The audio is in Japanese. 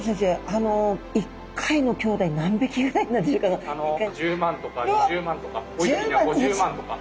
あの一回のきょうだい何匹ぐらいなんでしょうか？